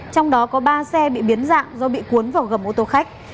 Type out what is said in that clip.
trong đó có ba xe bị biến dạng do bị cuốn vào gầm ô tô khách